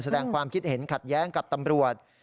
แสดงความคิดเห็นขัดแย้งกับตำรวจ